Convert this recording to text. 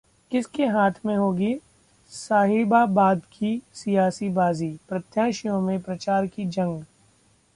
किसके हाथ में होगी साहिबाबाद की सियासी बाजी? प्रत्याशियों में प्रचार की जंग